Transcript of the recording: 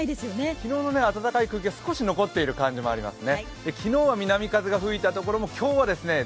昨日の暖かい空気が少し残っている感じがしますね。